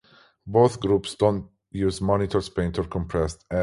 Both groups do not use motors, paint, or compressed air.